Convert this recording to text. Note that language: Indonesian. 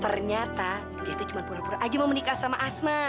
ternyata dia tuh cuma pura pura aja mau menikah sama asma